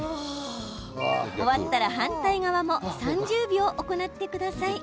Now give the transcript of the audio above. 終わったら、反対側も３０秒行ってください。